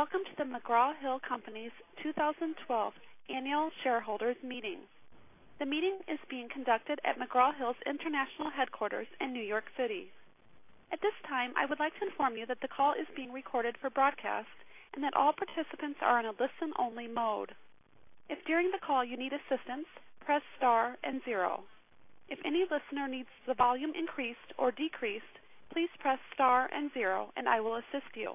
Good morning and welcome to The McGraw-Hill Companies 2012 Annual Shareholders Meeting. The meeting is being conducted at The McGraw-Hill Companies' International Headquarters in New York City. At this time, I would like to inform you that the call is being recorded for broadcast and that all participants are on a listen-only mode. If during the call you need assistance, press star and zero. If any listener needs the volume increased or decreased, please press star and zero and I will assist you.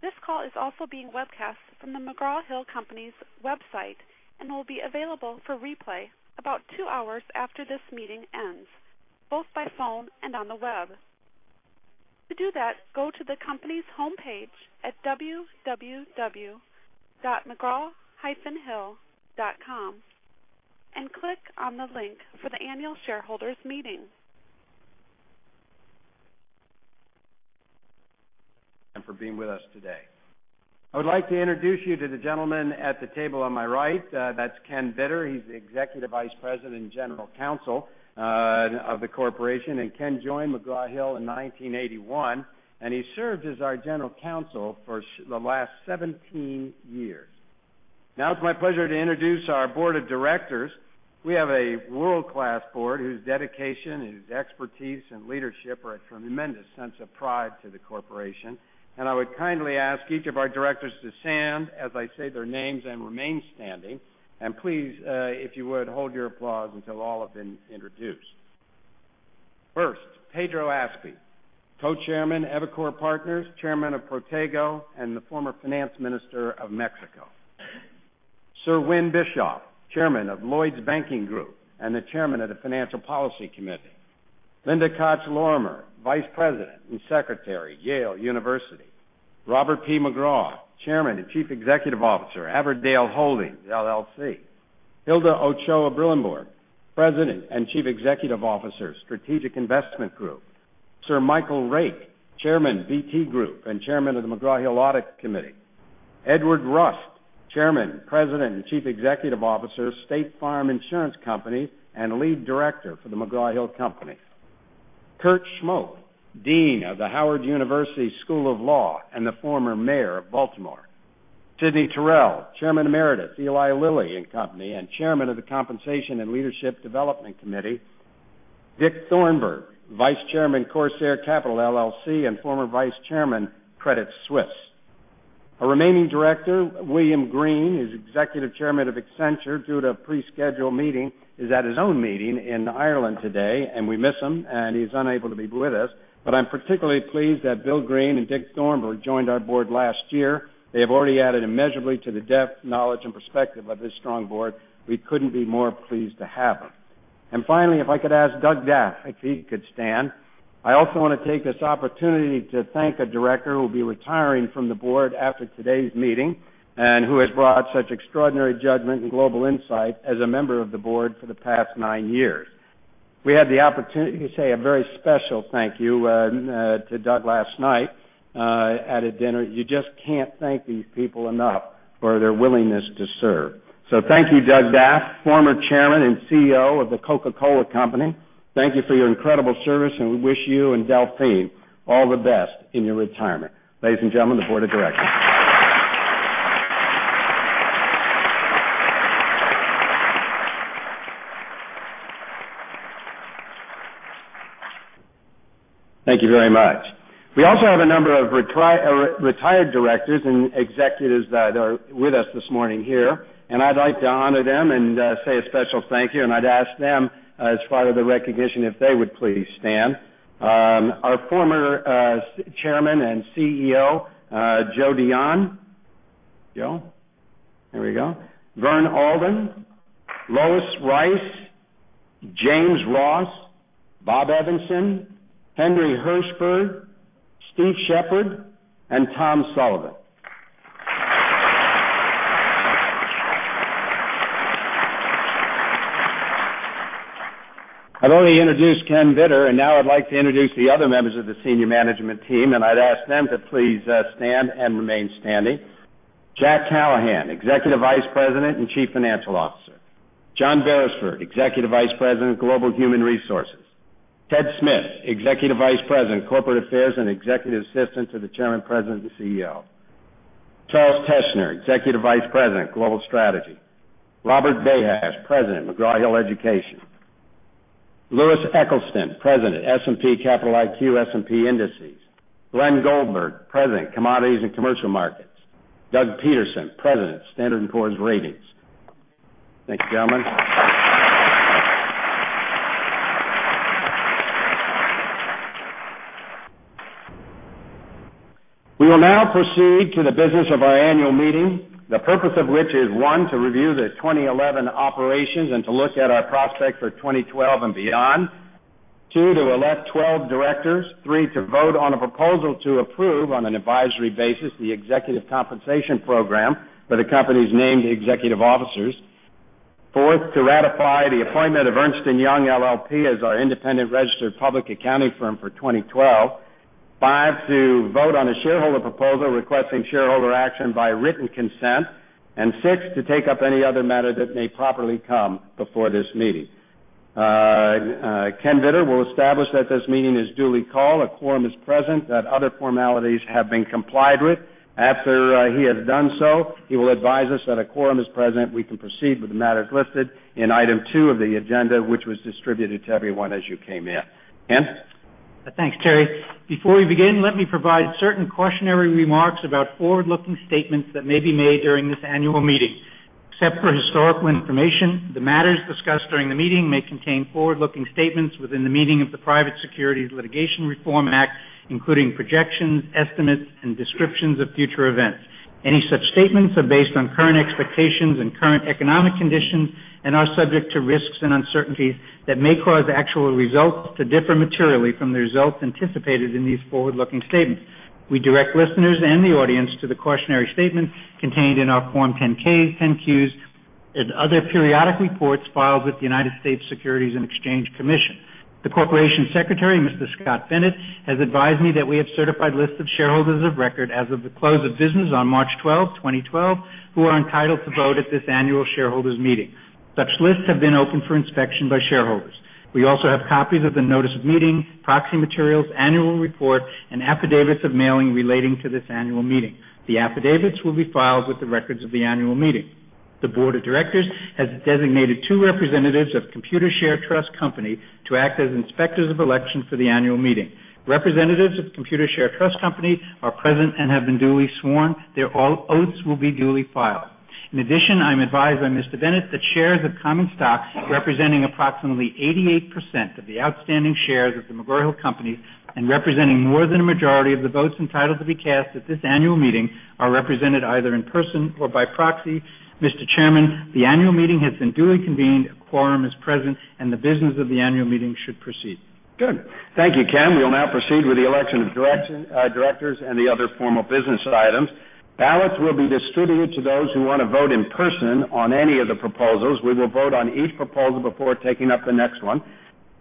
This call is also being webcast from The McGraw-Hill Companies' website and will be available for replay about two hours after this meeting ends, both by phone and on the web. To do that, go to the company's homepage at www.mcgraw-hill.com and click on the link for the Annual Shareholders Meeting. you for being with us today. I would like to introduce you to the gentleman at the table on my right. That's Ken Vittor. He's the Executive Vice President and General Counsel of the corporation. Ken joined McGraw-Hill in 1981 and he has served as our General Counsel for the last 17 years. Now it's my pleasure to introduce our Board of Directors. We have a world-class board whose dedication, expertise, and leadership are a tremendous sense of pride to the corporation. I would kindly ask each of our Directors to stand as I say their names and remain standing. Please, if you would, hold your applause until all have been introduced. First, Pedro Aspe, Co-Chairman of Evercore Partners, Chairman of Protego, and the former Finance Minister of Mexico. Sir Win Bischoff, Chairman of Lloyds Banking Group and the Chairman of the Financial Policy Committee. Linda Koch Lorimer, Vice President and Secretary, Yale University. Robert P. McGraw, Chairman and Chief Executive Officer, Averdale Holdings, LLC. Hilda Ochoa-Brillembourg, President and Chief Executive Officer, Strategic Investment Group. Sir Michael Rake, Chairman, BT Group and Chairman of the McGraw-Hill Audit Committee. Edward Rust, Chairman, President and Chief Executive Officer, State Farm Insurance Company and Lead Director for The McGraw-Hill Companies. Kurt Schmoke, Dean of the Howard University School of Law and the former Mayor of Baltimore. Sidney Taurel, Chairman Emeritus, Eli Lilly & Co. and Chairman of the Compensation and Leadership Development Committee.Dick Thornburgh, Vice Chairman, Corsair Capital, LLC and former Vice Chairman, Credit Suisse. A remaining director, William Green, who is Executive Chairman of Accenture, due to a pre-scheduled meeting, is at his own meeting in Ireland today. We miss him and he's unable to be with us. I'm particularly pleased that Bill Green and Dick Thornburgh joined our board last year. They have already added immeasurably to the depth, knowledge, and perspective of this strong board. We couldn't be more pleased to have them. Fin`ally, if I could ask Doug Daft if he could stand. I also want to take this opportunity to thank a director who will be retiring from the board after today's meeting and who has brought such extraordinary judgment and global insight as a member of the board for the past nine years. We had the opportunity to say a very special thank you to Doug last night at a dinner. You just can't thank these people enough for their willingness to serve. Thank you, Doug Daft, former Chairman and CEO of The Coca-Cola Company. Thank you for your incredible service and we wish you and Delphine all the best in your retirement. Ladies and gentlemen, the Board of Directors. Thank you very much. We also have a number of retired directors and executives that are with us this morning here. I'd like to honor them and say a special thank you. I'd ask them as part of the recognition if they would please stand. Our former Chairman and CEO, Joe Dionne. Joe, there we go. Vern Alden, Lois Reiss, James Ross, Bob Evenson, Henry Hirschberg, Steve Shepard, and Tom Sullivan. I've already introduced Ken Vittor and now I'd like to introduce the other members of the senior management team and I'd ask them to please stand and remain standing. Jack Callahan, Executive Vice President and Chief Financial Officer. John Berisford, Executive Vice President, Global Human Resources. Ted Smyth, Executive Vice President, Corporate Affairs and Executive Assistant to the Chairman, President, and CEO. Charles Teschner, Executive Vice President, Global Strategy. Robert Bahash, President, McGraw-Hill Education. Louis Eccleston, President, S&P Capital IQ and S&P Indices. Glenn Goldberg, President, Commodities and Commercial Markets. Doug Peterson, President, Standard & Poor’s Ratings. Thank you, gentlemen. We will now proceed to the business of our annual meeting, the purpose of which is, one, to review the 2011 operations and to look at our prospects for 2012 and beyond. Two, to elect 12 directors. Three, to vote on a proposal to approve on an advisory basis the executive compensation program for the company's named executive officers. Four, to ratify the appointment of Ernst & Young LLP as our independent registered public accounting firm for 2012. Five, to vote on a shareholder proposal requesting shareholder action by written consent. Six, to take up any other matter that may properly come before this meeting. Ken Vittor will establish that this meeting is duly called. A quorum is present. That other formalities have been complied with. After he has done so, he will advise us that a quorum is present. We can proceed with the matters listed in item two of the agenda, which was distributed to everyone as you came in. Ken? Thanks, Terry. Before we begin, let me provide certain cautionary remarks about forward-looking statements that may be made during this annual meeting. Except for historical information, the matters discussed during the meeting may contain forward-looking statements within the meaning of the Private Securities Litigation Reform Act, including projections, estimates, and descriptions of future events. Any such statements are based on current expectations and current economic conditions and are subject to risks and uncertainties that may cause the actual results to differ materially from the results anticipated in these forward-looking statements. We direct listeners and the audience to the cautionary statement contained in our Form 10-Ks, 10-Qs, and other periodic reports filed with the U.S. Securities and Exchange Commission. The Corporate Secretary, Mr. Scott Bennett, has advised me that we have certified lists of shareholders of record as of the close of business on March 12th, 2012, who are entitled to vote at this annual shareholders' meeting. Such lists have been opened for inspection by shareholders. We also have copies of the notice of meeting, proxy materials, annual report, and affidavits of mailing relating to this annual meeting. The affidavits will be filed with the records of the annual meeting. The Board of Directors has designated two representatives of Computershare Trust Company to act as inspectors of election for the annual meeting. Representatives of Computershare Trust Company are present and have been duly sworn. Their oaths will be duly filed. In addition, I'm advised by Mr. Bennett that shares of common stock representing approximately 88% of the outstanding shares ofThe McGraw-Hill Company and representing more than a majority of the votes entitled to be cast at this annual meeting are represented either in person or by proxy. Mr. Chairman, the annual meeting has been duly convened, a quorum is present, and the business of the annual meeting should proceed. Good. Thank you, Ken. We will now proceed with the election of directors and the other formal business items. Ballots will be distributed to those who want to vote in person on any of the proposals. We will vote on each proposal before taking up the next one.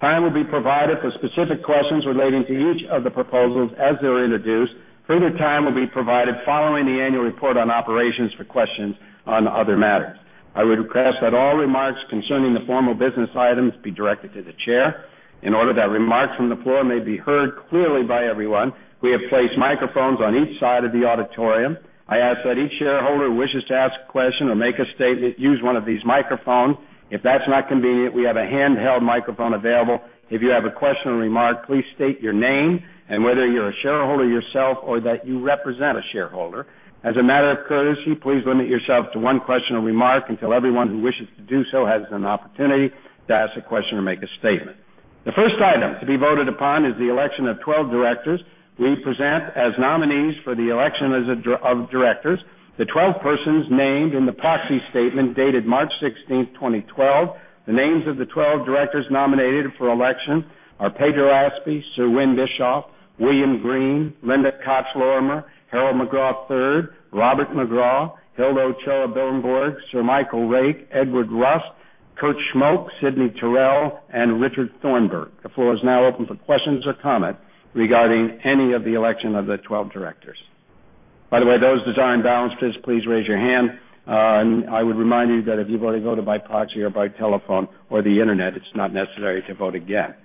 Time will be provided for specific questions relating to each of the proposals as they're introduced. Further time will be provided following the annual report on operations for questions on other matters. I would request that all remarks concerning the formal business items be directed to the Chair in order that remarks from the floor may be heard clearly by everyone. We have placed microphones on each side of the auditorium. I ask that each shareholder who wishes to ask a question or make a statement use one of these microphones. If that's not convenient, we have a handheld microphone available. If you have a question or remark, please state your name and whether you're a shareholder yourself or that you represent a shareholder. As a matter of courtesy, please limit yourself to one question or remark until everyone who wishes to do so has an opportunity to ask a question or make a statement. The first item to be voted upon is the election of 12 directors. We present as nominees for the election of directors the 12 persons named in the proxy statement dated March 16th, 2012. The names of the 12 directors nominated for election are Pedro Aspe, Sir Win Bischoff, William Green, Linda Koch Lorimer, Harold McGraw III, Robert McGraw, Hilda Ochoa-Brillembourg, Sir Michael Rake, Edward Rust, Kurt Schmoke, Sidney Taurel, and Richard Thornburgh. The floor is now open for questions or comments regarding any of the election of the 12 directors. By the way, those desiring ballots, please raise your hand. I would remind you that if you've already voted by proxy or by telephone or the internet, it's not necessary to vote again.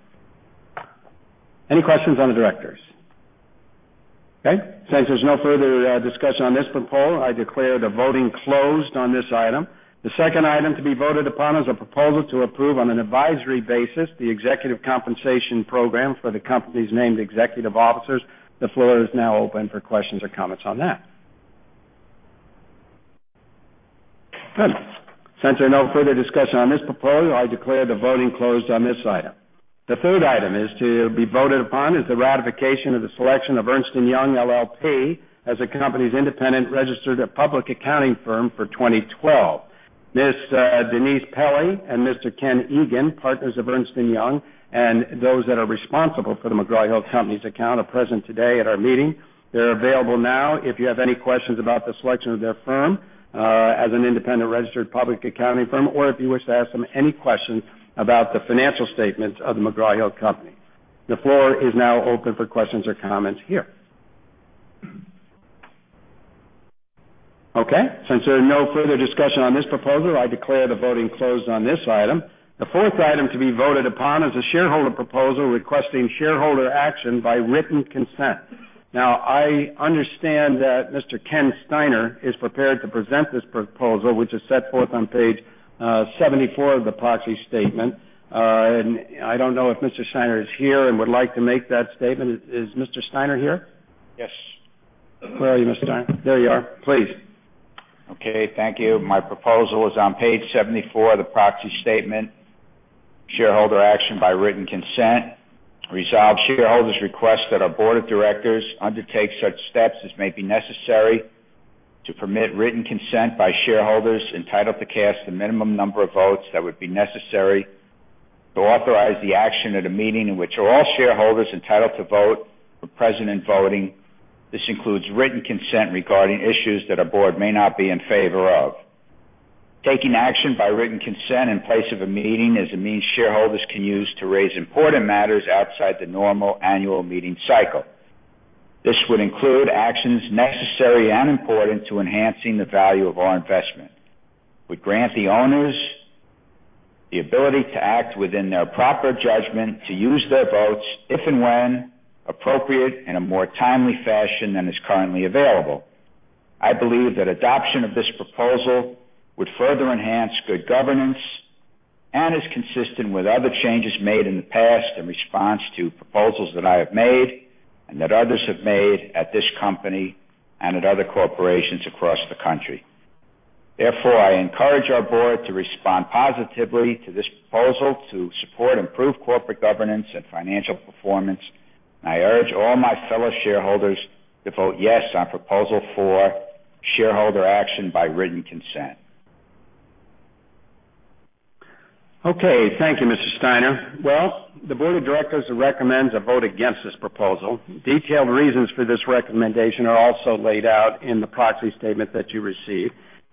Any questions on the directors? Okay. Since there's no further discussion on this proposal, I declare the voting closed on this item. The second item to be voted upon is a proposal to approve on an advisory basis the executive compensation program for the company's named executive officers. The floor is now open for questions or comments on that. Good. Since there's no further discussion on this proposal, I declare the voting closed on this item. The third item to be voted upon is the ratification of the selection of Ernst & Young LLP as the company's independent registered public accounting firm for 2012. Ms. Denise Pelley and Mr. Ken Egan, partners of Ernst & Young and those that are responsible for The McGraw-Hill Companies' account, are present today at our meeting. They're available now if you have any questions about the selection of their firm as an independent registered public accounting firm or if you wish to ask them any questions about the financial statements of The McGraw-Hill Companies. The floor is now open for questions or comments here. Okay. Since there's no further discussion on this proposal, I declare the voting closed on this item. The fourth item to be voted upon is a shareholder proposal requesting shareholder action by written consent. I understand that Mr. Ken Steiner is prepared to present this proposal, which is set forth on page 74 of the proxy statement. I don't know if Mr. Steiner is here and would like to make that statement. Is Mr. Steiner here? Yes. Where are you, Mr. Steiner? There you are. Please. Okay. Thank you. My proposal is on page 74 of the proxy statement. Shareholder action by written consent. Resolved, shareholders request that our Board of Directors undertake such steps as may be necessary to permit written consent by shareholders entitled to cast the minimum number of votes that would be necessary to authorize the action at a meeting in which all shareholders are entitled to vote for present voting. This includes written consent regarding issues that a board may not be in favor of. Taking action by written consent in place of a meeting is a means shareholders can use to raise important matters outside the normal annual meeting cycle. This would include actions necessary and important to enhancing the value of our investment. We grant the owners the ability to act within their proper judgment to use their votes if and when appropriate in a more timely fashion than is currently available. I believe that adoption of this proposal would further enhance good governance and is consistent with other changes made in the past in response to proposals that I have made and that others have made at this company and at other corporations across the country. Therefore, I encourage our board to respond positively to this proposal to support improved corporate governance and financial performance. I urge all my fellow shareholders to vote yes on proposal for shareholder action by written consent. Thank you, Mr. Steiner. The Board of Directors recommends a vote against this proposal. Detailed reasons for this recommendation are also laid out in the proxy statement that you received.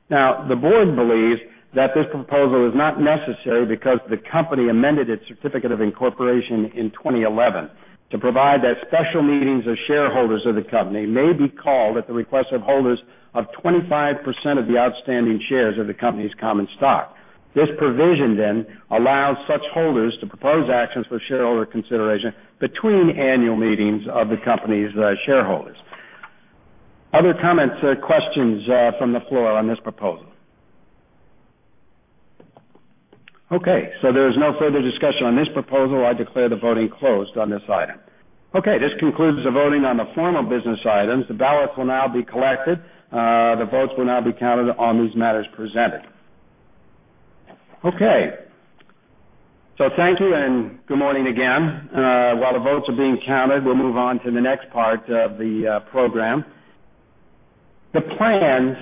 The board believes that this proposal is not necessary because the company amended its certificate of incorporation in 2011 to provide that special meetings of shareholders of the company may be called at the request of holders of 25% of the outstanding shares of the company's common stock. This provision then allows such holders to propose actions for shareholder consideration between annual meetings of the company's shareholders. Other comments or questions from the floor on this proposal? There is no further discussion on this proposal. I declare the voting closed on this item. This concludes the voting on the formal business items. The ballots will now be collected. The votes will now be counted on these matters presented. Thank you and good morning again. While the votes are being counted, we'll move on to the next part of the program. The plans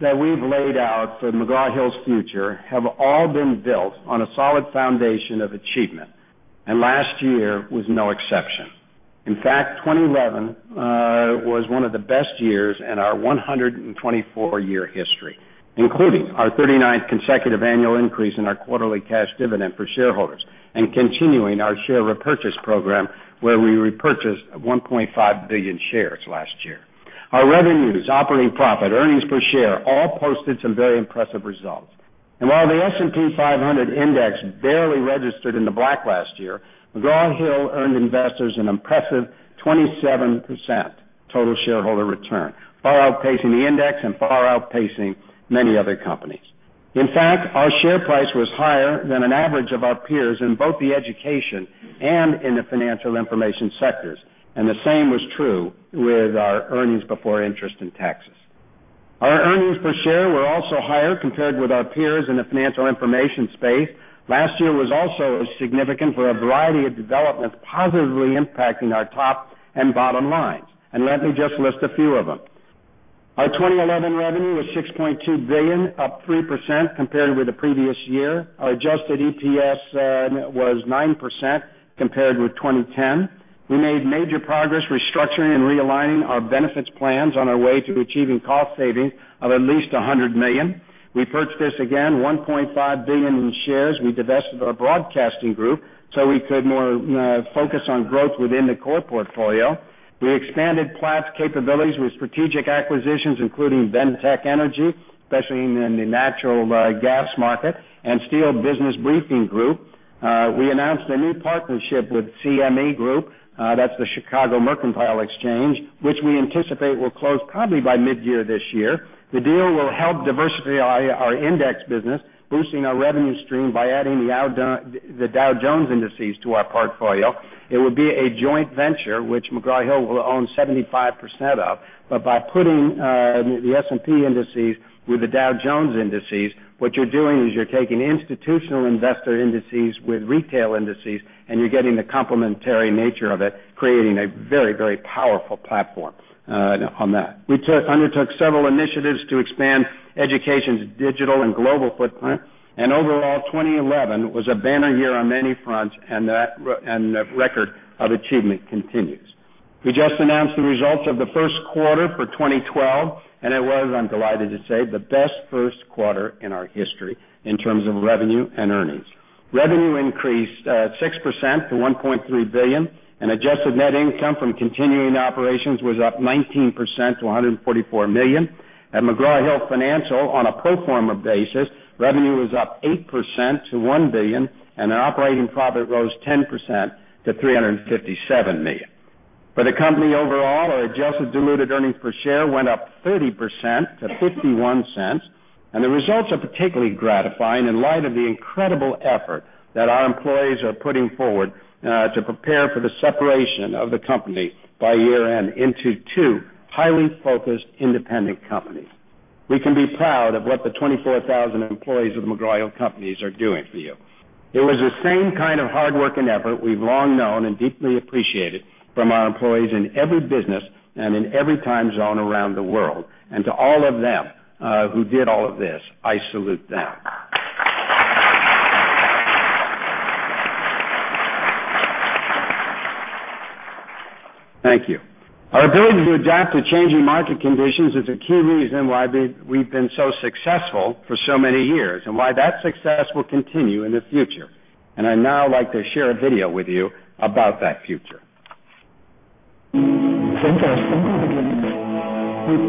that we've laid out for McGraw Hill's future have all been built on a solid foundation of achievement. Last year was no exception. In fact, 2011 was one of the best years in our 124-year history, including our 39th consecutive annual increase in our quarterly cash dividend for shareholders and continuing our share repurchase program where we repurchased 1.5 billion shares last year. Our revenues, operating profit, earnings per share all posted some very impressive results. While the S&P 500 index barely registered in the black last year, McGraw-Hill earned investors an impressive 27% total shareholder return, far outpacing the index and far outpacing many other companies. Our share price was higher than an average of our peers in both the education and in the financial information sectors. The same was true with our earnings before interest and taxes. Our earnings per share were also higher compared with our peers in the financial information space. Last year was also significant for a variety of developments positively impacting our top and bottom lines. Let me just list a few of them. Our 2011 revenue was $6.2 billion, up 3% compared with the previous year. Our adjusted EPS was up 9% compared with 2010. We made major progress restructuring and realigning our benefits plans on our way to achieving cost savings of at least $100 million. We purchased again $1.5 billion in shares. We divested our broadcasting group so we could more focus on growth within the core portfolio. We expanded Platts' capabilities with strategic acquisitions, including Bentek Energy, especially in the natural gas market, and Steel Business Briefing Group. We announced a new partnership with CME Group, that's the Chicago Mercantile Exchange, which we anticipate will close probably by mid-year this year. The deal will help diversify our index business, boosting our revenue stream by adding the Dow Jones indices to our portfolio. It will be a joint venture, which McGraw Hill will own 75% of. By putting the S&P indices with the Dow Jones indices, what you're doing is you're taking institutional investor indices with retail indices and you're getting the complementary nature of it, creating a very, very powerful platform on that. We undertook several initiatives to expand education's digital and global footprint. Overall, 2011 was a banner year on many fronts and the record of achievement continues. We just announced the results of the first quarter for 2012 and it was, I'm delighted to say, the best first quarter in our history in terms of revenue and earnings. Revenue increased 6% to $1.3 billion and adjusted net income from continuing operations was up 19% to $144 million. At McGraw Hill Financial, on a pro forma basis, revenue was up 8% to $1 billion and our operating profit rose 10% to $357 million. For the company overall, our adjusted diluted earnings per share went up 30% to $0.51. The results are particularly gratifying in light of the incredible effort that our employees are putting forward to prepare for the separation of the company by year-end into two highly focused independent companies. We can be proud of what the 24,000 employees of The McGraw-Hill Companies are doing for you. It was the same kind of hard work and effort we've long known and deeply appreciated from our employees in every business and in every time zone around the world. To all of them who did all of this, I salute them. Thank you. Our ability to adapt to changing market conditions is a key reason why we've been so successful for so many years and why that success will continue in the future. I'd now like to share a video with you about that future. [uninteligible]. We've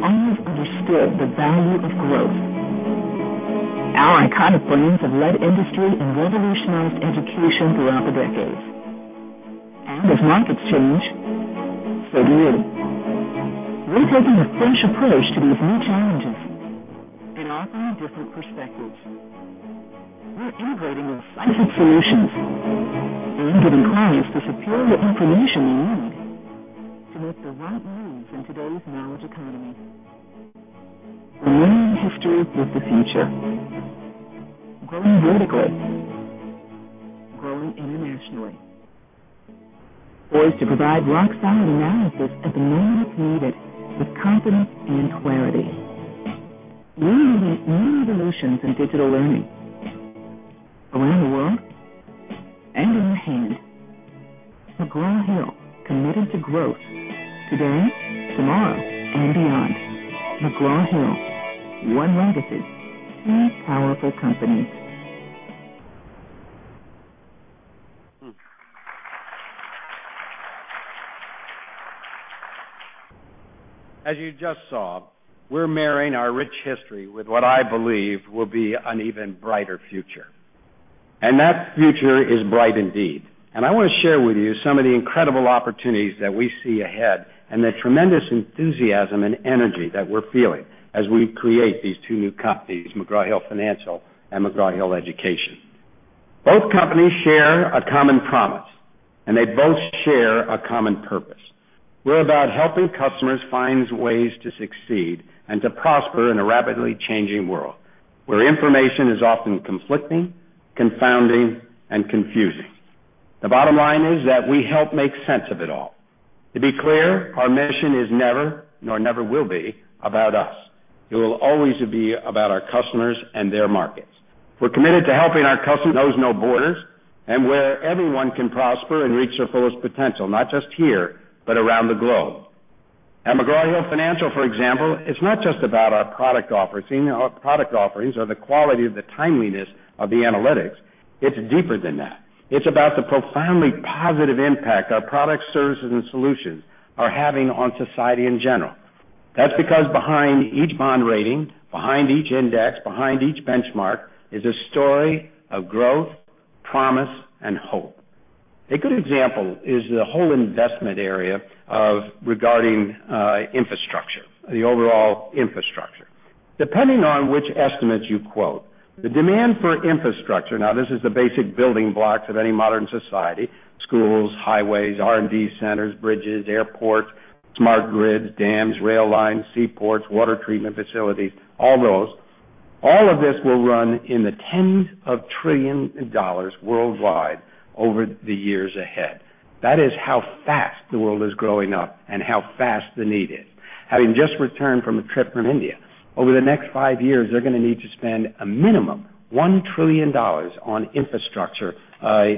always understood the value of growth. S&P Global companies have led industry and revolutionized education throughout the decades. As markets change, so do we. We're taking a fresh approach to these new challenges and offering different perspectives. We're integrating scientific solutions, learning-driven qualities to secure the information you need to make the right moves in today's knowledge economy. The long history fits the future. Growing vertically, growing internationally. Our aim is to provide rock-solid analysis at the moment it's needed with confidence and clarity. We're using new evolutions in digital learning around the world and in your hands. S&P Global, committed to growth today, tomorrow, and beyond. McGraw Hill, one legacy, three powerful companies. As you just saw, we're marrying our rich history with what I believe will be an even brighter future. That future is bright indeed. I want to share with you some of the incredible opportunities that we see ahead and the tremendous enthusiasm and energy that we're feeling as we create these two new companies, McGraw Hill Financial and McGraw Hill Education. Both companies share a common promise and they both share a common purpose. We're about helping customers find ways to succeed and to prosper in a rapidly changing world where information is often conflicting, confounding, and confusing. The bottom line is that we help make sense of it all. To be clear, our mission is never, nor never will be, about us. It will always be about our customers and their markets. We're committed to helping our customers with those no borders and where everyone can prosper and reach their fullest potential, not just here, but around the globe. At McGraw Hill Financial, for example, it's not just about our product offerings or the quality or the timeliness of the analytics. It's deeper than that. It's about the profoundly positive impact our products, services, and solutions are having on society in general. That's because behind each bond rating, behind each index, behind each benchmark is a story of growth, promise, and hope. A good example is the whole investment area regarding infrastructure, the overall infrastructure. Depending on which estimates you quote, the demand for infrastructure, now this is the basic building blocks of any modern society: schools, highways, R&D centers, bridges, airports, smart grids, dams, rail lines, seaports, water treatment facilities, all those. All of this will run in the tens of trillion dollars worldwide over the years ahead. That is how fast the world is growing up and how fast the need is. Having just returned from a trip from India, over the next five years, they're going to need to spend a minimum of $1 trillion on infrastructure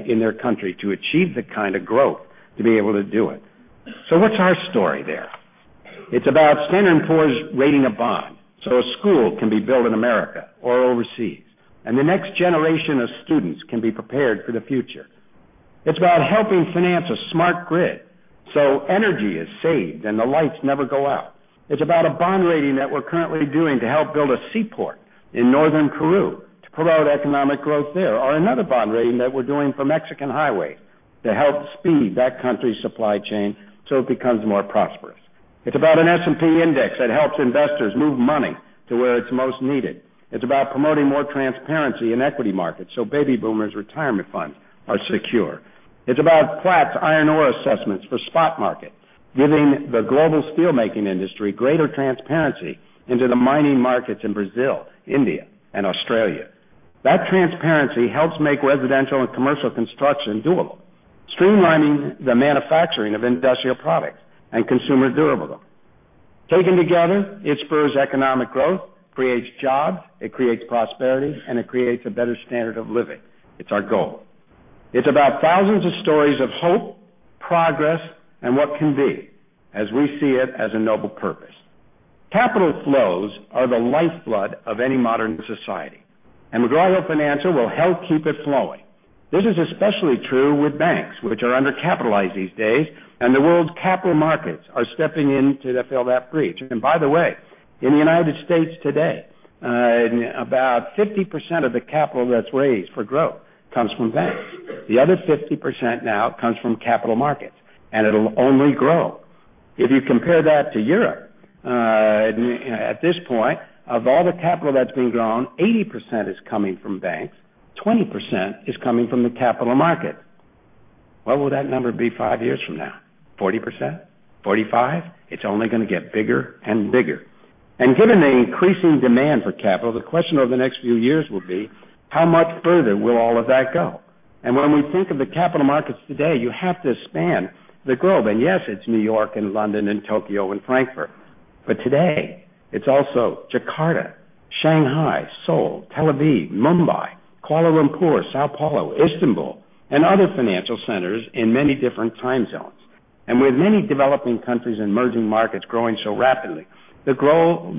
in their country to achieve the kind of growth to be able to do it. What's our story there? It's about Standard & Poor’s rating a bond so a school can be built in America or overseas and the next generation of students can be prepared for the future. It's about helping finance a smart grid so energy is saved and the lights never go out. It's about a bond rating that we're currently doing to help build a seaport in Northern Peru, promote economic growth there, or another bond rating that we're doing for Mexican Highway to help speed that country's supply chain so it becomes more prosperous. It's about an S&P index that helps investors move money to where it's most needed. It's about promoting more transparency in equity markets so Baby Boomers' retirement funds are secure. It's about Platts' iron ore assessments for the spot market, giving the global steelmaking industry greater transparency into the mining markets in Brazil, India, and Australia. That transparency helps make residential and commercial construction doable, streamlining the manufacturing of industrial products and consumer durable. Taken together, it spurs economic growth, creates jobs, it creates prosperity, and it creates a better standard of living. It's our goal. It's about thousands of stories of hope, progress, and what can be as we see it as a noble purpose. Capital flows are the lifeblood of any modern society. McGraw Hill Financial will help keep it flowing. This is especially true with banks, which are undercapitalized these days, and the world's capital markets are stepping in to fill that breach. By the way, in the U.S. today, about 50% of the capital that's raised for growth comes from banks. The other 50% now comes from capital markets, and it'll only grow. If you compare that to Europe, at this point, of all the capital that's been drawn, 80% is coming from banks, 20% is coming from the capital market. What will that number be five years from now? 40%? 45%? It's only going to get bigger and bigger. Given the increasing demand for capital, the question over the next few years will be how much further will all of that go? When we think of the capital markets today, you have to expand the globe. Yes, it's New York and London and Tokyo and Frankfurt. Today, it's also Jakarta, Shanghai, Seoul, Tel Aviv, Mumbai, Kuala Lumpur, São Paulo, Istanbul, and other financial centers in many different time zones. With many developing countries and emerging markets growing so rapidly, the role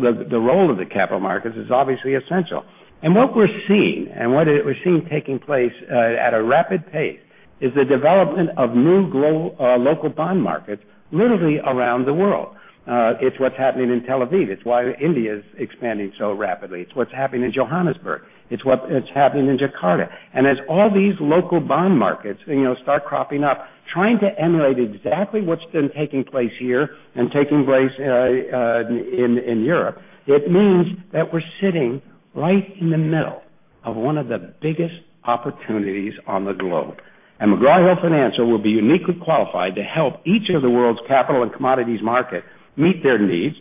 of the capital markets is obviously essential. What we're seeing and what we're seeing taking place at a rapid pace is the development of new global local bond markets literally around the world. It's what's happening in Tel Aviv. It's why India is expanding so rapidly. It's what's happening in Johannesburg. It's what's happening in Jakarta. As all these local bond markets start cropping up, trying to emulate exactly what's been taking place here and taking place in Europe, it means that we're sitting right in the middle of one of the biggest opportunities on the globe. McGraw Hill Financial will be uniquely qualified to help each of the world's capital and commodities markets meet their needs.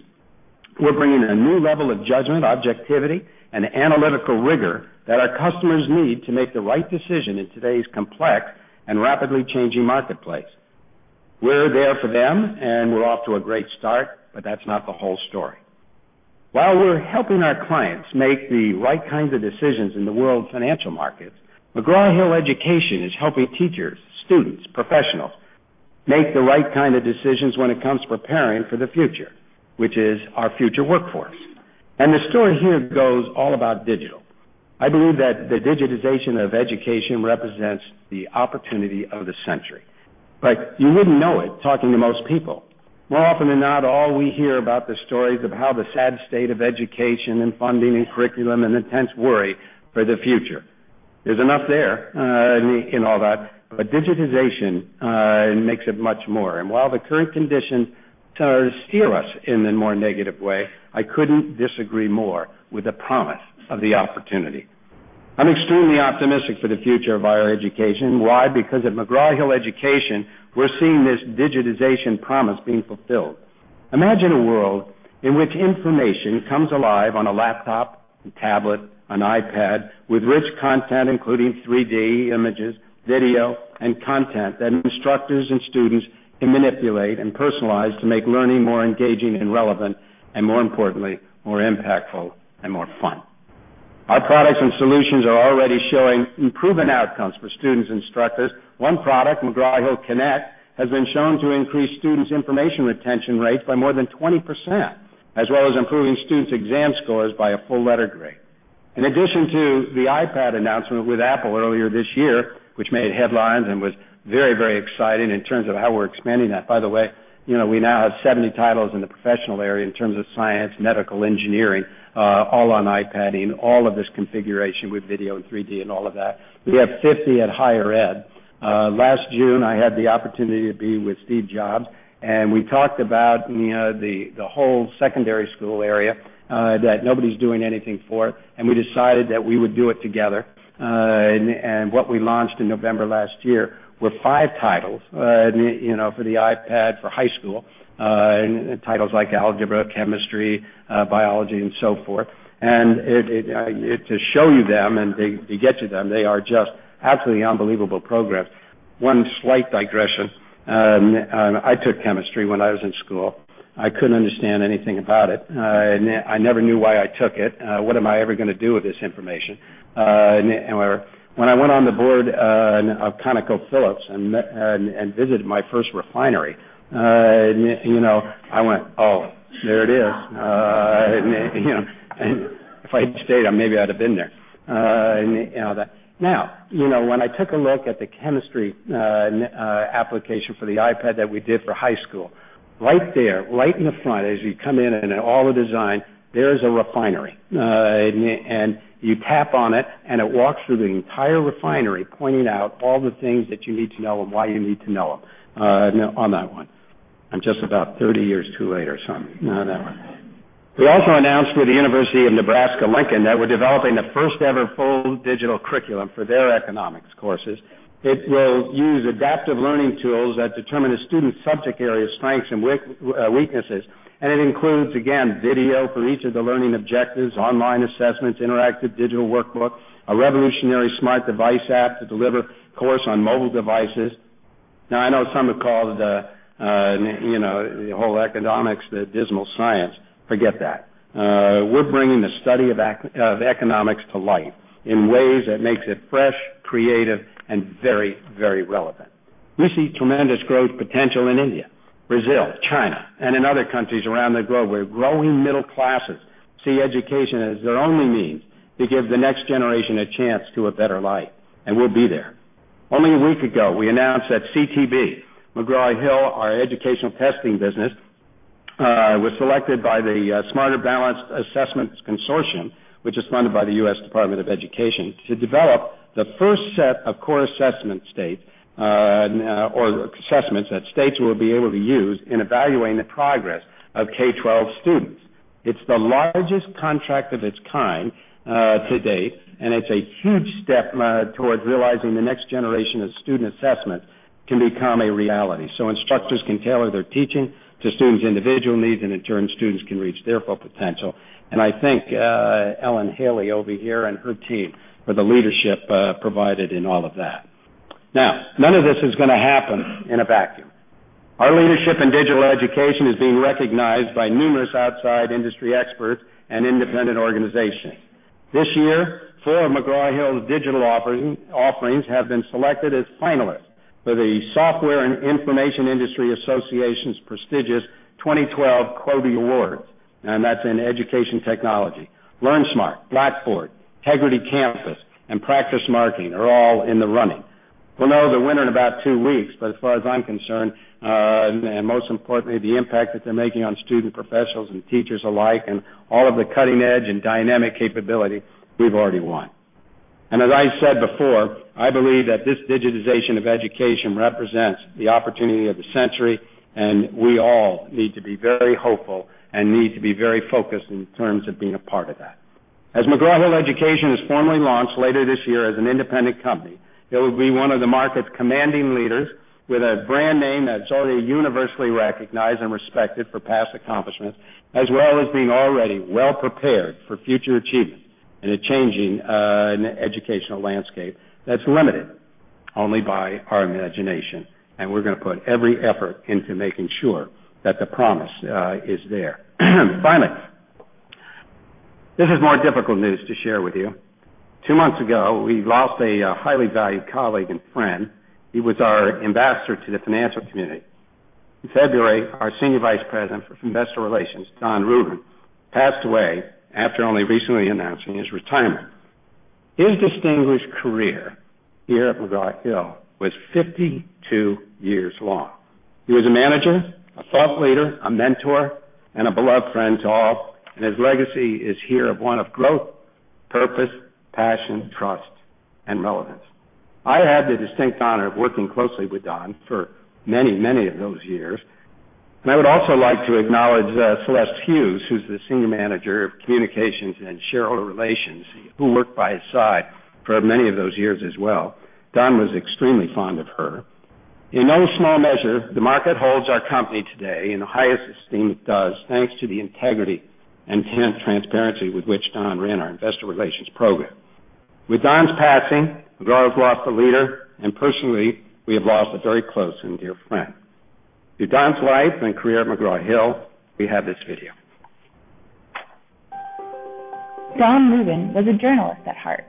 We're bringing a new level of judgment, objectivity, and analytical rigor that our customers need to make the right decision in today's complex and rapidly changing marketplace. We're there for them and we're off to a great start, but that's not the whole story. While we're helping our clients make the right kinds of decisions in the world's financial markets, McGraw Hill Education is helping teachers, students, professionals make the right kind of decisions when it comes to preparing for the future, which is our future workforce. The story here goes all about digital. I believe that the digitization of education represents the opportunity of the century. You wouldn't know it talking to most people. More often than not, all we hear about are the stories of how the sad state of education and funding and curriculum and intense worry for the future. There's enough there in all that, but digitization makes it much more. While the current conditions steer us in a more negative way, I couldn't disagree more with the promise of the opportunity. I'm extremely optimistic for the future of our education. Why? Because at McGraw Hill Education, we're seeing this digitization promise being fulfilled. Imagine a world in which information comes alive on a laptop, a tablet, an iPad with rich content, including 3D images, video, and content that instructors and students can manipulate and personalize to make learning more engaging and relevant and more importantly, more impactful and more fun. Our products and solutions are already showing improving outcomes for students and instructors. One product, McGraw HillConnect, has been shown to increase students' information retention rate by more than 20%, as well as improving students' exam scores by a full letter grade. In addition to the iPad announcement with Apple earlier this year, which made headlines and was very, very exciting in terms of how we're expanding that. By the way, you know we now have 70 titles in the professional area in terms of science, medical, engineering, all on iPad, all of this configuration with video and 3D and all of that. We have 50 at higher ed. Last June, I had the opportunity to be with Steve Jobs and we talked about the whole secondary school area that nobody's doing anything for it. We decided that we would do it together. What we launched in November last year were five titles for the iPad for high school, titles like Algebra, Chemistry, Biology, and so forth. To show you them and to get to them, they are just absolutely unbelievable programs. One slight digression. I took Chemistry when I was in school. I couldn't understand anything about it. I never knew why I took it. What am I ever going to do with this information? When I went on the board of ConocoPhillips and visited my first refinery, you know I went, "Oh, there it is." If I'd stayed, maybe I'd have been there. Now, you know when I took a look at the chemistry application for the iPad that we did for high school, right there, right in the front, as you come in and all the design, there is a refinery. You tap on it and it walks through the entire refinery, pointing out all the things that you need to know and why you need to know them on that one. I'm just about 30 years too late or something on that one. We also announced through the University of Nebraska-Lincoln that we're developing the first ever full digital curriculum for their economics courses. It will use adaptive learning tools that determine a student's subject area strengths and weaknesses. It includes, again, video for each of the learning objectives, online assessments, interactive digital workbooks, a revolutionary smart device app to deliver a course on mobile devices. I know some would call the whole economics the dismal science. Forget that. We're bringing the study of economics to life in ways that make it fresh, creative, and very, very relevant. We see tremendous growth potential in India, Brazil, China, and in other countries around the globe. We're growing middle classes to see education as their only means to give the next generation a chance to a better life. We'll be there. Only a week ago, we announced that CTB, McGraw Hill, our educational testing business, was selected by the Smarter Balanced Assessments Consortium, which is funded by the U.S. Department of Education, to develop the first set of core assessment states or assessments that states will be able to use in evaluating the progress of K-12 students. It's the largest contract of its kind to date, and it's a huge step toward realizing the next generation of student assessments can become a reality so instructors can tailor their teaching to students' individual needs, and in turn, students can reach their full potential. I thank Ellen Haley over here and her team for the leadership provided in all of that. None of this is going to happen in a vacuum. Our leadership in digital education is being recognized by numerous outside industry experts and independent organizations. This year, four McGraw Hill digital offerings have been selected as finalists for the Software and Information Industry Association's prestigious 2012 CODiE Awards. That's in education technology. LearnSmart, Blackboard, Integrity Campus, and Practice Marketing are all in the running. We'll know the winner in about two weeks. As far as I'm concerned, and most importantly, the impact that they're making on student professionals and teachers alike, and all of the cutting-edge and dynamic capability, we've already won. As I said before, I believe that this digitization of education represents the opportunity of the century, and we all need to be very hopeful and need to be very focused in terms of being a part of that. As McGraw Hill Education is formally launched later this year as an independent company, it will be one of the market's commanding leaders with a brand name that's already universally recognized and respected for past accomplishments, as well as being already well prepared for future achievements in a changing educational landscape that's limited only by our imagination. We're going to put every effort into making sure that the promise is there. Finance. This is more difficult news to share with you. Two months ago, we lost a highly valued colleague and friend. He was our ambassador to the financial community. In February, our Senior Vice President for Investor Relations, Don Rubin, passed away after only recently announcing his retirement. His distinguished career here at McGraw Hill was 52 years long. He was a manager, a thought leader, a mentor, and a beloved friend to all. His legacy is here of one of growth, purpose, passion, trust, and relevance. I had the distinct honor of working closely with Don for many, many of those years. I would also like to acknowledge Celeste Hughes, who's the Senior Manager of Communications and Shareholder Relations, who worked by his side for many of those years as well. Don was extremely fond of her. In no small measure, the market holds our company today in the highest esteem it does, thanks to the integrity and transparency with which Don ran our investor relations program. With Don's passing, McGraw Hill grew up a leader, and personally, we have lost a very close and dear friend. Through Don's life and career McGraw Hill, we have this video. Don Rubin was a journalist at heart.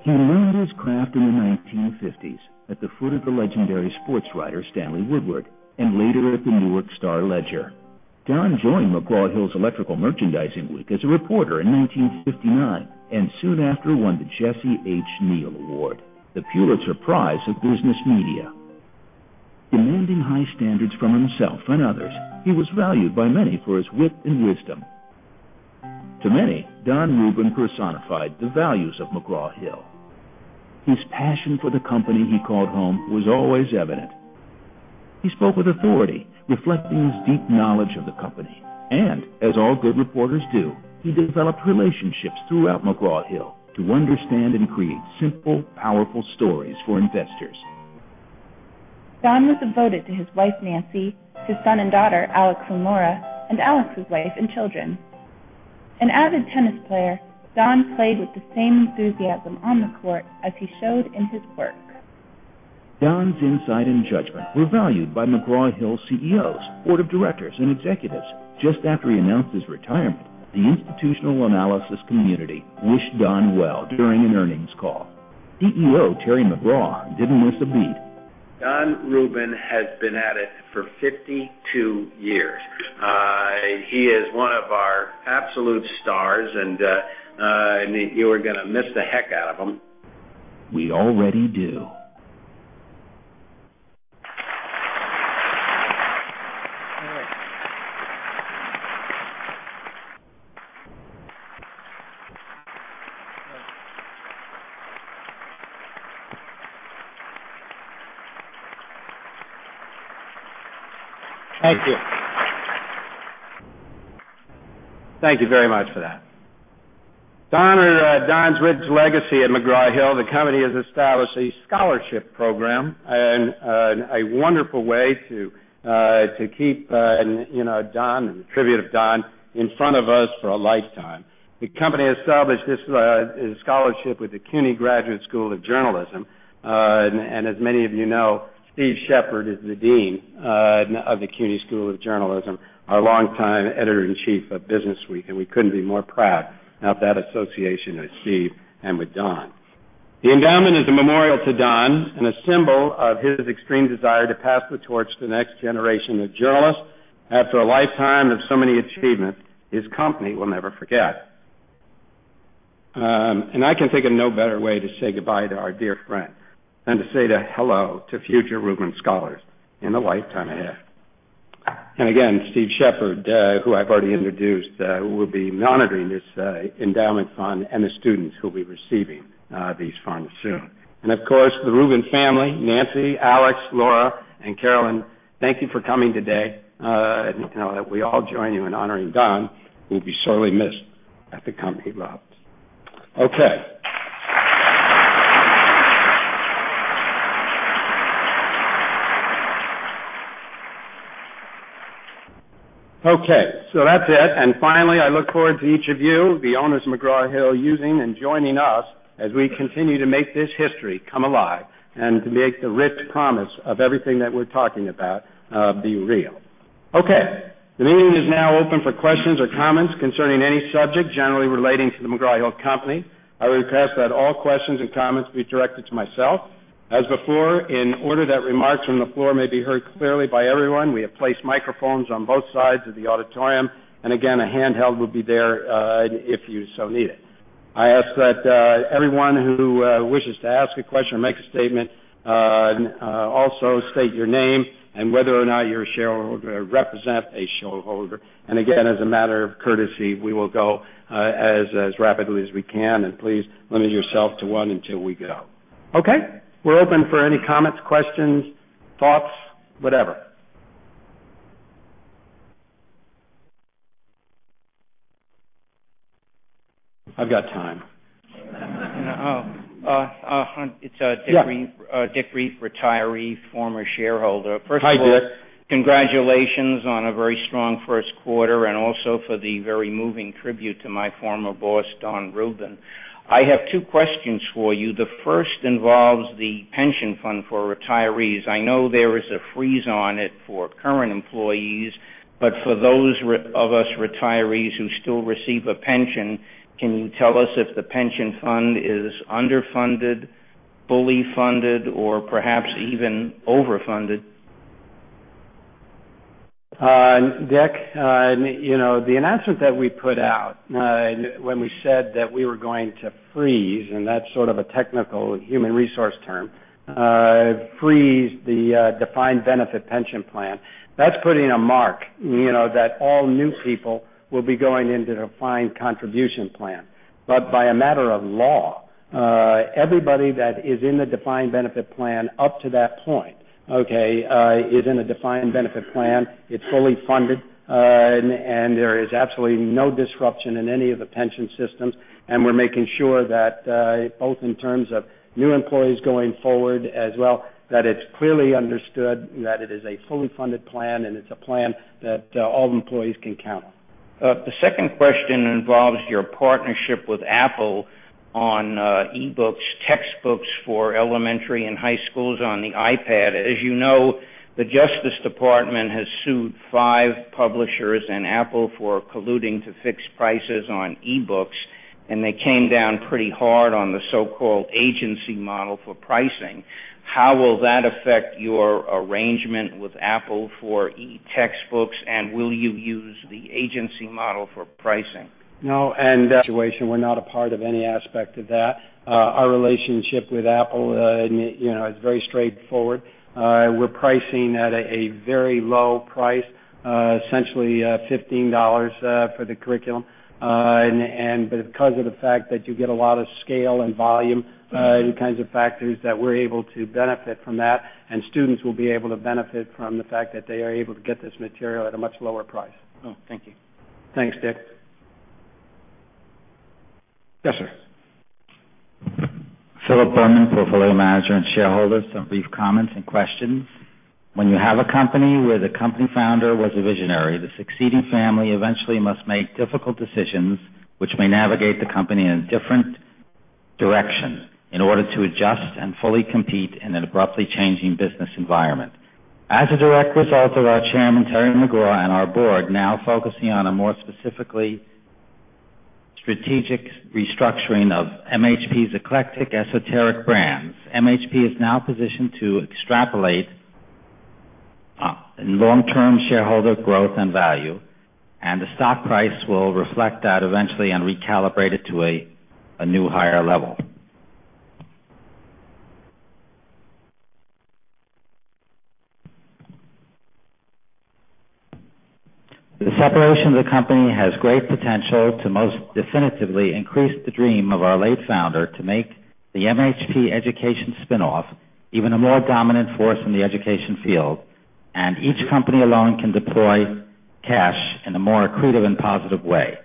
He learned his craft in the 1950s at the foot of the legendary sportswriter Stanley Woodward and later at the Newark Star-Ledger. Don joined McGraw Hill's Electrical Merchandising Week as a reporter in 1959 and soon after won the Jesse H. Neal Award, the Pulitzer Prize of Business Media. Demanding high standards from himself and others, he was valued by many for his wit and wisdom. To many, Don Rubin personified the values of McGraw Hill. His passion for the company he called home was always evident. He spoke with authority, reflecting his deep knowledge of the company. As all good reporters do, he developed relationships throughout McGraw Hill to understand and create simple, powerful stories for investors. Don was devoted to his wife, Nancy, his son and daughter, Alex and Laura, and Alex's wife and children. An avid tennis player, Don played with the same enthusiasm on the court as he showed in his work. Don's insight and judgment were valued by McGraw Hill CEOs, Board of Directors, and executives. Just after he announced his retirement, the institutional analysis community wished Don well during an earnings call. CEO Terry McGraw didn't miss a beat. Don Rubin has been at it for 52 years. He is one of our absolute stars, and you are going to miss the heck out of him. We already do. Thank you. Thank you very much for that. Don's rich legacy at McGraw Hill, the company has established a scholarship program and a wonderful way to keep Don and the tribute of Don in front of us for a lifetime. The company established this scholarship with the CUNY Graduate School of Journalism. As many of you know, Steve Shepard is the Dean of the CUNY Graduate School of Journalism, our longtime Editor in Chief of Business Week, and we couldn't be more proud of that association with Steve and with Don. The endowment is a memorial to Don and a symbol of his extreme desire to pass the torch to the next generation of journalists after a lifetime of so many achievements his company will never forget. I can think of no better way to say goodbye to our dear friend than to say hello to future Rubin scholars in the lifetime ahead. Again, Steve Shepard, who I've already introduced, will be monitoring this endowment fund and the students who will be receiving these funds soon. Of course, the Rubin family, Nancy, Alex, Laura, and Carolyn, thank you for coming today. You know that we all join you in honoring Don. He'd be sorely missed at the company lobbies. Okay. Finally, I look forward to each of you, the owners of McGraw Hill, using and joining us as we continue to make this history come alive and to make the rich promise of everything that we're talking about be real. Okay. The meeting is now open for questions or comments concerning any subject generally relating to The McGraw-Hill Company,. I would request that all questions and comments be directed to myself. As before, in order that remarks from the floor may be heard clearly by everyone, we have placed microphones on both sides of the auditorium. Again, a handheld will be there if you so need it. I ask that everyone who wishes to ask a question or make a statement also state your name and whether or not you're a shareholder or represent a shareholder. As a matter of courtesy, we will go as rapidly as we can. Please limit yourself to one until we go. We're open for any comments, questions, thoughts, whatever. I've got time. It's Dick Reef, retiree, former shareholder. Hi Dick. First of all, congratulations on a very strong first quarter and also for the very moving tribute to my former boss, Don Rubin. I have two questions for you. The first involves the pension fund for retirees. I know there is a freeze on it for current employees, but for those of us retirees who still receive a pension, can you tell us if the pension fund is underfunded, fully funded, or perhaps even overfunded? Dick, you know the announcement that we put out when we said that we were going to freeze, and that's sort of a technical human resource term, freeze the defined benefit pension plan. That's putting a mark that all new people will be going into the defined contribution plan. By a matter of law, everybody that is in the defined benefit plan up to that point is in a defined benefit plan. It's fully funded, and there is absolutely no disruption in any of the pension systems. We're making sure that both in terms of new employees going forward as well, that it's clearly understood that it is a fully funded plan and it's a plan that all employees can count on. The second question involves your partnership with Apple on e-books, textbooks for elementary and high schools on the iPad. As you know, the Justice Department has sued five publishers and Apple for colluding to fix prices on e-books. They came down pretty hard on the so-called agency model for pricing. How will that affect your arrangement with Apple for e-textbooks? Will you use the agency model for pricing? No. In this situation, we're not a part of any aspect of that. Our relationship with Apple is very straightforward. We're pricing at a very low price, essentially $15 for the curriculum. Because of the fact that you get a lot of scale and volume, the kinds of factors that we're able to benefit from that, students will be able to benefit from the fact that they are able to get this material at a much lower price. Thank you. Thanks, Dick. Yes, sir. Philip Burner, portfolio manager and shareholder, some brief comments and questions. When you have a company where the company founder was a visionary, the succeeding family eventually must make difficult decisions, which may navigate the company in a different direction in order to adjust and fully compete in an abruptly changing business environment. As a direct result of our Chairman, Terry McGraw, and our Board now focusing on a more specifically strategic restructuring of MHP's eclectic, esoteric brands, MHP is now positioned to extrapolate long-term shareholder growth and value. The stock price will reflect that eventually and recalibrate it to a new higher level. The separation of the company has great potential to most definitively increase the dream of our late founder to make the MHP education spin-off even a more dominant force in the education field. Each company alone can deploy cash in a more accretive and positive way.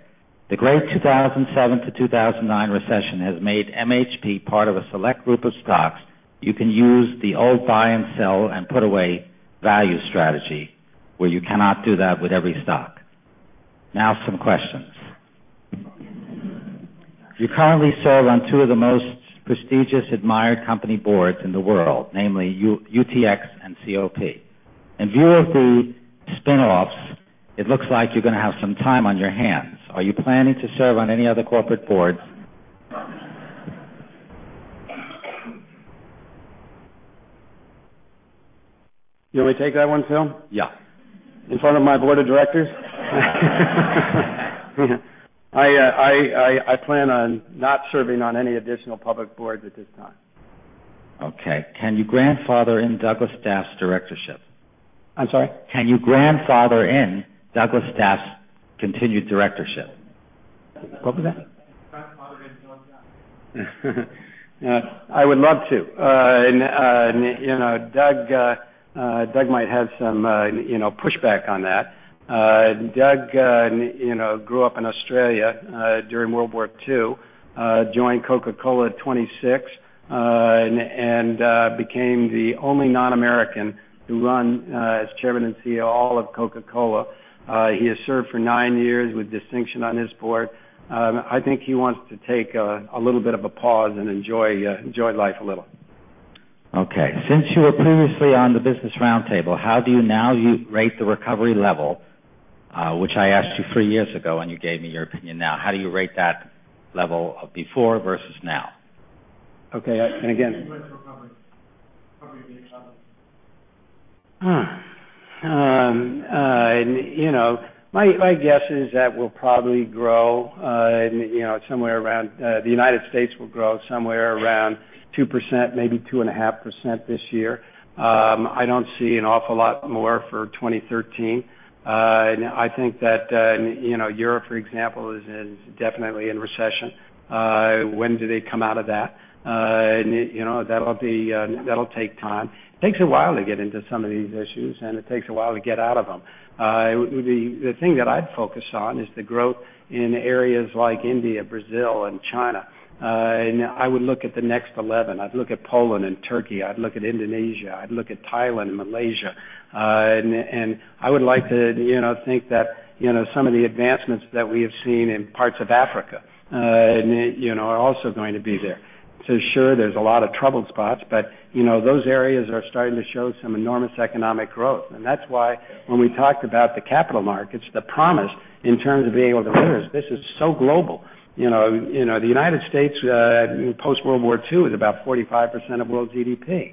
The great 2007-2009 recession has made MHP part of a select group of stocks you can use the old buy and sell and put away value strategy, where you cannot do that with every stock. Now, some questions. You currently serve on two of the most prestigious, admired company boards in the world, namely UTX and COP. In view of the spin-offs, it looks like you're going to have some time on your hands. Are you planning to serve on any other corporate boards? You want me to take that one, Phil? Yeah. In front of my Board of Directors? I plan on not serving on any additional public boards at this time. Okay. Can you grandfather in Douglas Daft's directorship? I'm sorry? Can you grandfather in Douglas Daft's continued directorship? What was that? I would love to. Doug might have some pushback on that. Doug grew up in Australia during World War II, joined Coca-Cola at 26, and became the only non-American to run as Chairman and CEO of all of Coca-Cola. He has served for nine years with distinction on this board. I think he wants to take a little bit of a pause and enjoy life a little. Okay. Since you were previously on the Business Roundtable, how do you now rate the recovery level, which I asked you three years ago and you gave me your opinion? Now, how do you rate that level of before versus now? Okay. Again, my guess is that we'll probably grow, and somewhere around the United States will grow somewhere around 2%, maybe 2.5% this year. I don't see an awful lot more for 2013. I think that Europe, for example, is definitely in recession. When do they come out of that? That'll take time. It takes a while to get into some of these issues, and it takes a while to get out of them. The thing that I'd focus on is the growth in areas like India, Brazil, and China. I would look at the next 11. I'd look at Poland and Turkey. I'd look at Indonesia. I'd look at Thailand and Malaysia. I would like to think that some of the advancements that we have seen in parts of Africa are also going to be there. For sure, there's a lot of troubled spots, but those areas are starting to show some enormous economic growth. That's why when we talked about the capital markets, the promise in terms of being able to do this, this is so global. The United States post-World War II was about 45% of world GDP.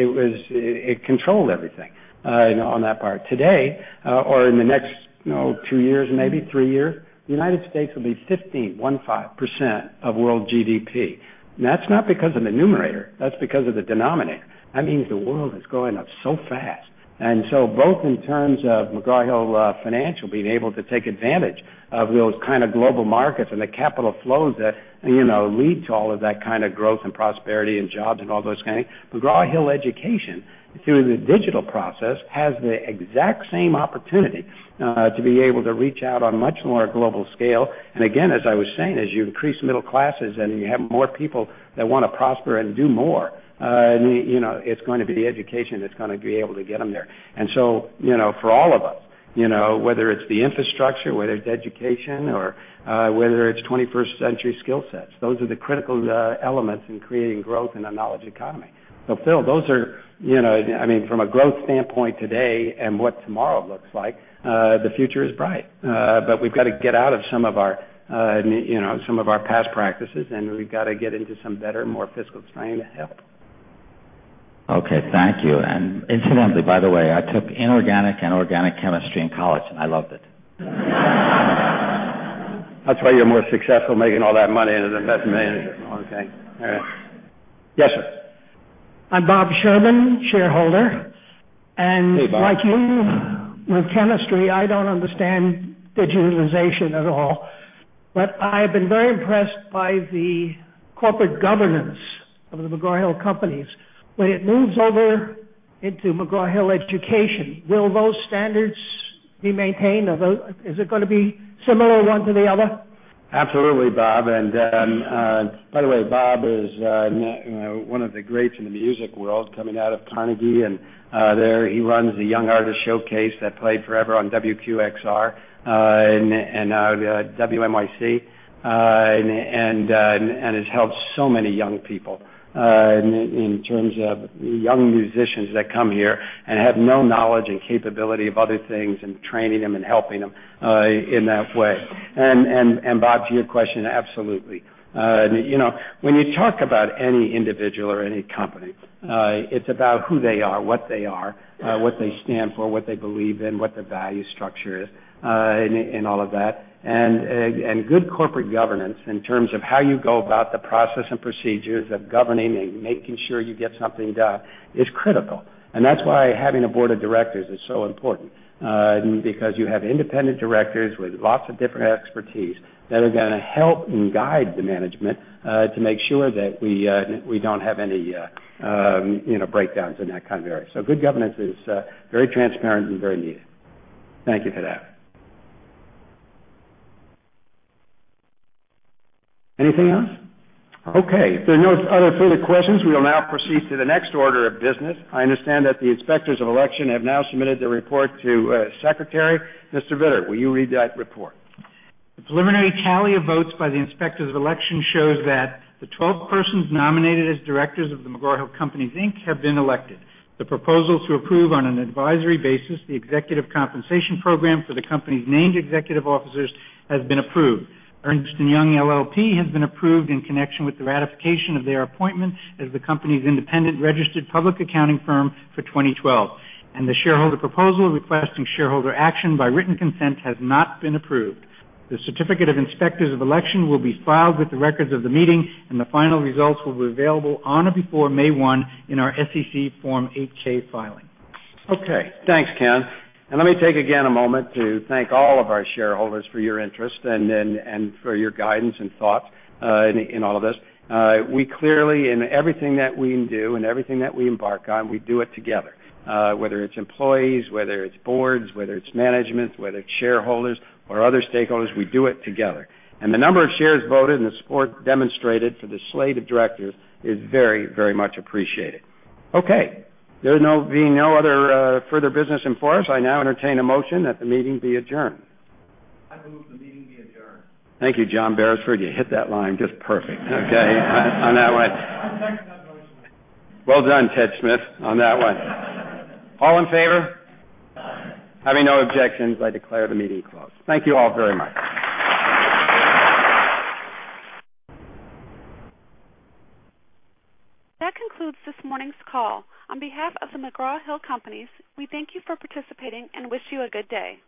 It controlled everything on that part. Today, or in the next two years, maybe three years, the United States will be 15%,1-5 of world GDP. That's not because of the numerator. That's because of the denominator. That means the world is going up so fast. Both in terms of McGraw Hill Financial being able to take advantage of those kind of global markets and the capital flows that lead to all of that kind of growth and prosperity and jobs and all those kind of things, McGraw Hill Education through the digital process has the exact same opportunity to be able to reach out on a much more global scale. Again, as I was saying, as you increase middle classes and you have more people that want to prosper and do more, it's going to be the education that's going to be able to get them there. For all of us, whether it's the infrastructure, whether it's education, or whether it's 21st-century skill sets, those are the critical elements in creating growth in a knowledge economy. Phil, those are, from a growth standpoint today and what tomorrow looks like, the future is bright. We've got to get out of some of our past practices, and we've got to get into some better, more fiscal strain to help. Thank you. Incidentally, by the way, I took Inorganic and Organic Chemistry in college, and I loved it. That's why you're more successful making all that money as an investment manager. Okay, all right. Yes, sir. I'm Bob Sherman, shareholder. Hey Bob Like you with chemistry, I don't understand digitalization at all. I have been very impressed by the corporate governance of The McGraw-Hill Companies. When it moves over into McGraw Hill Education, will those standards be maintained? Is it going to be similar one to the other? Absolutely, Bob. By the way, Bob is one of the greats in the music world coming out of Carnegie. He runs the Young Artist Showcase that played forever on WQXR and now WNYC, and has helped so many young people in terms of young musicians that come here and have no knowledge and capability of other things, training them and helping them in that way. Bob, to your question, absolutely. When you talk about any individual or any company, it's about who they are, what they are, what they stand for, what they believe in, what the value structure is, and all of that. Good corporate governance in terms of how you go about the process and procedures of governing and making sure you get something done is critical. That's why having a Board of Directors is so important, because you have independent directors with lots of different expertise that are going to help and guide the management to make sure that we don't have any breakdowns in that kind of area. Good governance is very transparent and very needed. Thank you for that. Anything else? If there are no other further questions, we will now proceed to the next order of business. I understand that the Inspectors of Election have now submitted their report to Secretary. Mr. Vittor, will you read that report? The preliminary tally of votes by the Inspectors of Election shows that the 12 persons nominated as directors of The McGraw-Hill Companies, Inc. have been elected. The proposal to approve on an advisory basis the executive compensation program for the company's named executive officers has been approved. Ernst & Young LLP has been approved in connection with the ratification of their appointment as the company's independent registered public accounting firm for 2012. The shareholder proposal requesting shareholder action by written consent has not been approved. The certificate of Inspectors of Election will be filed with the records of the meeting, and the final results will be available on or before May 1 in our SEC Form 8-K filing. Okay. Thanks, Ken. Let me take a moment to thank all of our shareholders for your interest and for your guidance and thoughts in all of this. We clearly, in everything that we do and everything that we embark on, we do it together. Whether it's employees, whether it's boards, whether it's management, whether it's shareholders or other stakeholders, we do it together. The number of shares voted and the support demonstrated for the slate of directors is very much appreciated. There being no other further business for us, I now entertain a motion that the meeting be adjourned. The meeting be adjourned. Thank you, John Berisford. You hit that line just perfect. Okay. On that one. Well done, Ted Smyth, on that one. All in favor? Having no objections, I declare the meeting closed. Thank you all very much. That concludes this morning's call. On behalf of The McGraw-Hill Companies, we thank you for participating and wish you a good day.